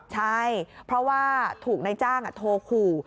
ใช่เพราะว่าถูกนายจ้างโทรขู่